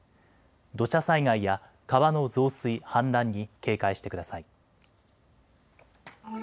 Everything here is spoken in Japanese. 土砂災害や川の増水、氾濫に警戒してください。